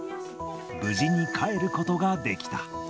無事に帰ることができた。